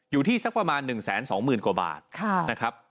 อยู่ที่สักประมาณ๑๒๐๐๐กว่าบาทนะครับ